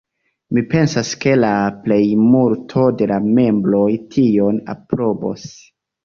Mi pensas ke la plejmulto de la membroj tion aprobos.